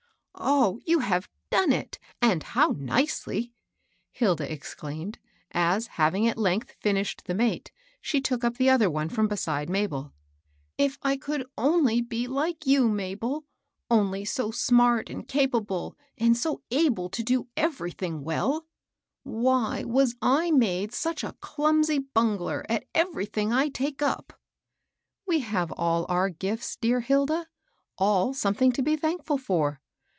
" Oh, you have done it !— and how nicely I " Hilda exclaimed, as, having at length finished the mate, she took np the other from beside Mabel. " If I could only be like you, Mabel 1 — only sa smart and capable, and so able to do everything well I Why was I made such a clumsy bungler at everything I take up ?"We have all our * gifts,' dear Hilda, — all something to be thankful for.